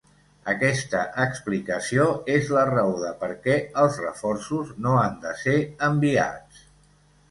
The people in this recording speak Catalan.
Aquesta explicació és la raó de per què els reforços no han de ser enviats.